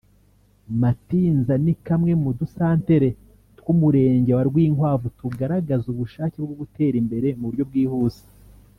Matinza ni kamwe mu dusantere tw’umurenge wa Rwinkwavu tugaragaza ubushake bwo gutera imbere mu buryo bwihuse